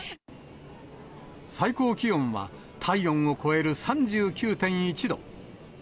最高気温は、体温を超える３９．１度。